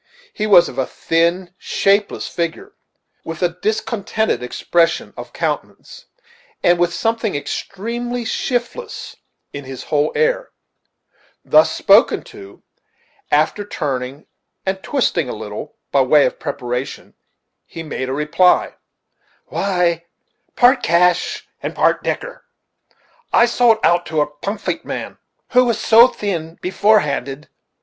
He was of a thin, shapeless figure, with a discontented expression of countenance, and with something extremely shiftless in his whole air, Thus spoken to, after turning and twisting a little, by way of preparation, he made a reply: "Why part cash and part dicker. I sold out to a Pumfietman who was so'thin' forehanded.